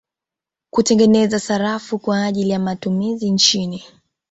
Kutengeneza sarafu kwa ajili ya matumizi nchini